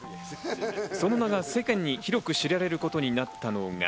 その名が世間に広く知れ渡ることになったのが。